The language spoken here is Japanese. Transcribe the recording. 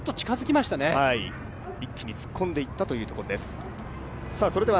一気に突っ込んでいったということです。